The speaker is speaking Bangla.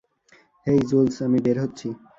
হেই, জুলস, আমি বের হচ্ছি।